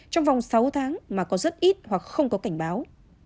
trong vòng sáu tháng mà có rất ít hoặc không có cảnh báo